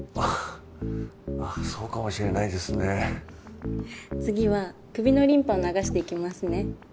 あそうかもしれないですね。次は首のリンパを流していきますね。